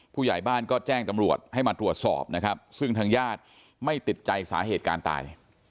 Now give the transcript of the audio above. ผู้ใหญ่บ้านก็แจ้งตำรวจให้มาตรวจสอบนะครับซึ่งทางญาติไม่ติดใจสาเหตุการณ์ตาย